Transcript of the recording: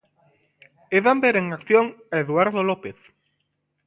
E van ver en acción a Eduardo López.